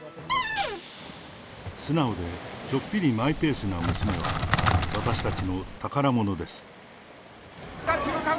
素直でちょっぴりマイペースな娘は、私たちの宝物です。